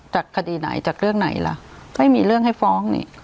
จากคดีไหนจากเรื่องไหนล่ะไม่มีเรื่องให้ฟ้องนี่